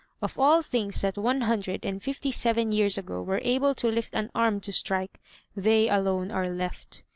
Of all things that one hundred and fifty seven years ago were able to lift an arm to strike, they alone are left.